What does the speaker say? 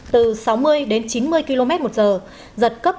từ sáu mươi chín mươi km một giờ dật cấp một mươi một một mươi hai